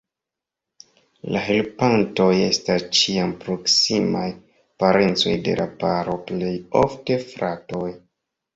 La helpantoj estas ĉiam proksimaj parencoj de la paro, plej ofte fratoj.